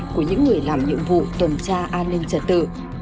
của những người làm nhiệm vụ tuần tra an ninh trật tự